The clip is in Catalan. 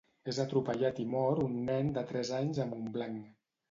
És atropellat i mor un nen de tres anys a Montblanc.